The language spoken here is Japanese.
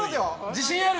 自信ある？